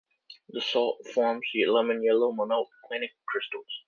This salt forms lemon-yellow monoclinic crystals.